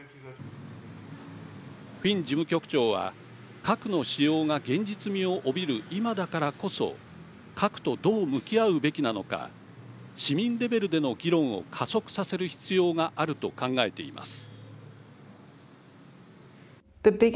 フィン事務局長は核の使用が現実味を帯びる今だからこそ核とどう向き合うべきなのか市民レベルでの議論を加速させる必要があると考えています。